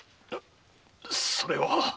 それは。